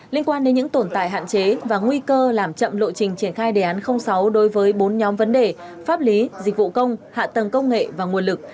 liên quan đến những tồn tại hạn chế và nguy cơ làm chậm lộ trình triển khai đề án sáu đối với bốn nhóm vấn đề pháp lý dịch vụ công hạ tầng công nghệ và nguồn lực